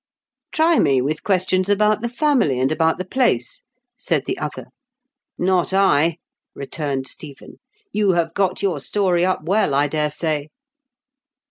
" Try me with questions about the family and about the place," said the other. " Not I," returned Stephen. " You have got your story up well, I daresay."